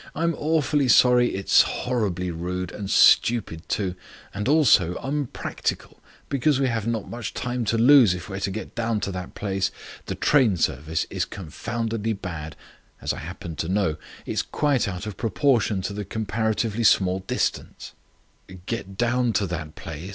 "I am awfully sorry. It is horribly rude. And stupid, too. And also unpractical, because we have not much time to lose if we're to get down to that place. The train service is confoundedly bad, as I happen to know. It's quite out of proportion to the comparatively small distance." "Get down to that place?"